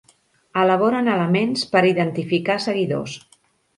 Elaboren elements per identificar seguidors.